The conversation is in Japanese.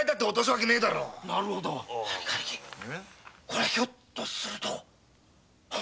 こりゃひょっとすると。